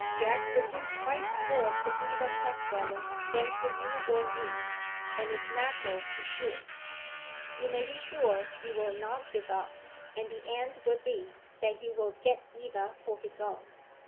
Jack would do twice more for Eva Crasweller than for you or me, and it's natural he should. You may be sure he will not give up; and the end will be, that he will get Eva for his own.